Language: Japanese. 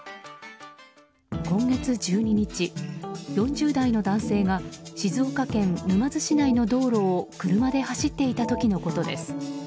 今月１２日、４０代の男性が静岡県沼津市内の道路を車で走っていた時のことです。